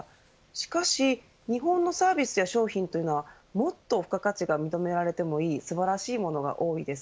しかし、日本のサービスや商品というのはもっと付加価値が認められてもいい素晴らしいものが多いです。